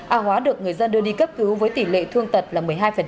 a hóa được người dân đưa đi cấp cứu với tỷ lệ thương tật là một mươi hai